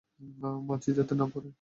মাছি যাতে না পড়ে।